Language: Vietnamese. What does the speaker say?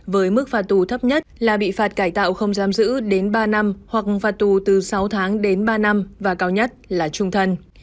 với mức phạt tù thấp nhất là bị phạt cải tạo không giam giữ đến ba năm hoặc phạt tù từ sáu tháng đến ba năm và cao nhất là trung thân